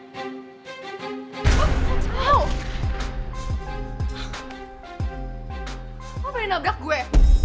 kamu beli nabrak gue